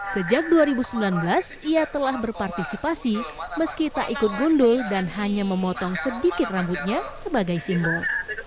sejak dua ribu sembilan belas ia telah berpartisipasi meski tak ikut gundul dan hanya memotong sedikit rambutnya sebagai simbol